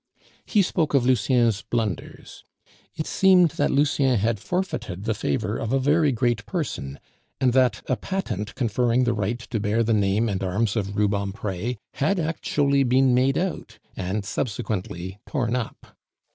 He spoke of Lucien's blunders. It seemed that Lucien had forfeited the favor of a very great person, and that a patent conferring the right to bear the name and arms of Rubempre had actually been made out and subsequently torn up.